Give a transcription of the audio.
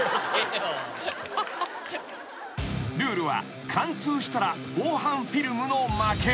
［ルールは貫通したら防犯フィルムの負け］